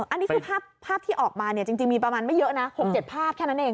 อันนี้คือภาพที่ออกมาเนี่ยจริงมีประมาณไม่เยอะนะ๖๗ภาพแค่นั้นเอง